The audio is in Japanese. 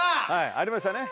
ありましたね